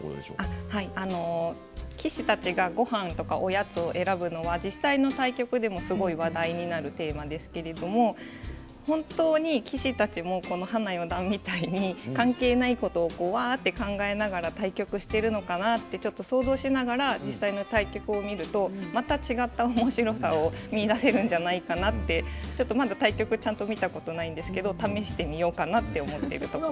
棋士たちが、ごはんとかおやつを選ぶのは実際の対局でも話題になるテーマですけれども本当に棋士たちも花四段みたいに関係ないことを考えながら対局しているのかなと想像しながら実際の対局を見るとまた違ったおもしろさを見いだせるんじゃないかなとまだ対局ちゃんと見たことないんですけど試してみようかなと思っています。